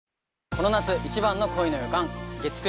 この夏一番の恋の予感月９